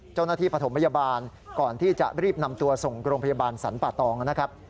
ปฐมพยาบาลก่อนที่จะรีบนำตัวส่งโรงพยาบาลสรรป่าตองนะครับ